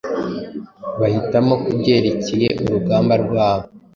bahitamo kubyerekeye urugamba rwabo